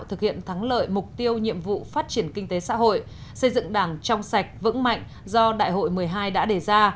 thực hiện thắng lợi mục tiêu nhiệm vụ phát triển kinh tế xã hội xây dựng đảng trong sạch vững mạnh do đại hội một mươi hai đã đề ra